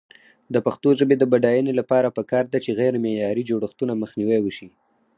د پښتو ژبې د بډاینې لپاره پکار ده چې غیرمعیاري جوړښتونه مخنیوی شي.